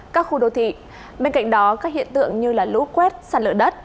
các khu đô thị bên cạnh đó các hiện tượng như lũ quét sạt lở đất